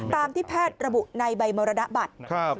ตามที่แพทย์ระบุในใบมรณบัตร